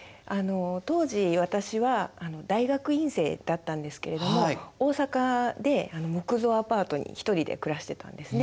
当時私は大学院生だったんですけれども大阪で木造アパートに１人で暮らしてたんですね。